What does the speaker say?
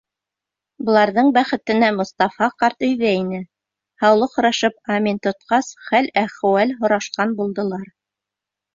Быларҙың бәхетенә Мостафа ҡарт өйҙә ине. һаулыҡ һорашып амин тотҡас, хәл-әхүәл һорашҡан булдылар.